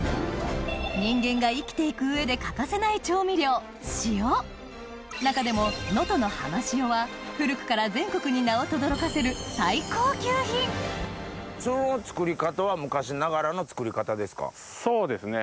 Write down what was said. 人間が生きて行く上で欠かせない調味料塩中でも能登のはま塩は古くから全国に名をとどろかせる最高級品そうですね。